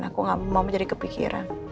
aku gak mau menjadi kepikiran